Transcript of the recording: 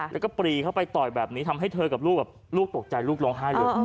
แล้วก็ปรีเข้าไปต่อยแบบนี้ทำให้เธอกับลูกตกใจลูกร้องไห้เลย